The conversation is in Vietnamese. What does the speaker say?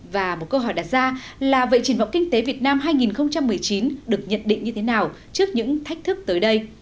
và một câu hỏi đặt ra là vậy triển vọng kinh tế việt nam hai nghìn một mươi chín được nhận định như thế nào trước những thách thức tới đây